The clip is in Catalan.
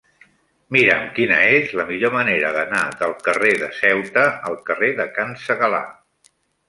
Mira'm quina és la millor manera d'anar del carrer de Ceuta al carrer de Can Segalar.